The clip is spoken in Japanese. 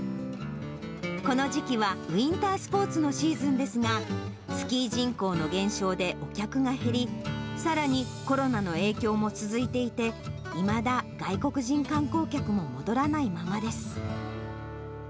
この時期はウィンタースポーツのシーズンですが、スキー人口の減少でお客が減り、さらにコロナの影響も続いていて、いまだ外国人観光客も戻らないままです。